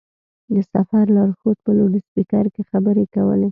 د سفر لارښود په لوډسپېکر کې خبرې کولې.